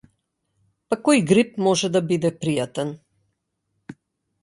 Па кој грип може да биде пријатен?